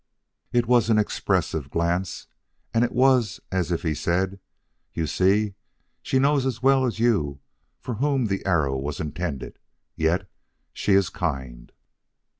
It was an expressive glance; it was as if he said, "You see! she knows as well as you for whom the arrow was intended yet she is kind."